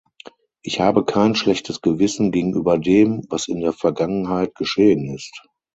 Ich habe kein schlechtes Gewissen gegenüber dem, was in der Vergangenheit geschehen ist.